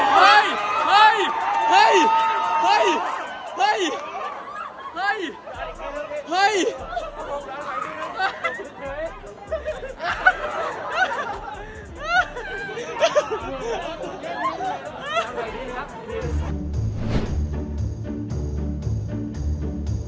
ไม่อยู่แล้วไม่อยู่แล้ว